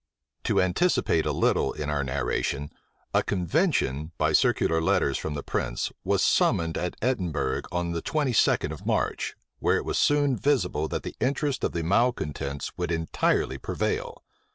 To anticipate a little in our narration; a convention, by circular letters from the prince, was summoned at Edinburgh on the twenty second of March, where it was soon visible that the interest of the malecontents would entirely prevail.